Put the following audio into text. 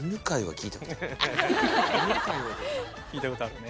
聞いたことあるね。